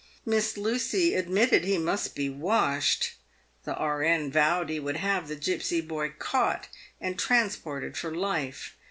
Miss Lucy admitted he must be washed. The E.N. vowed he would have the gipsy boy caught and transported for life.